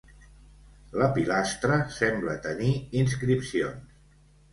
La pilastra sembla tenir inscripcions.